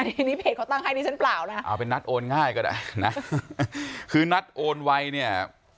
ทีนี้เพจเขาตั้งให้ดิฉันเปล่านะคะเอาเป็นนัดโอนง่ายก็ได้นะคือนัดโอนไวเนี่ย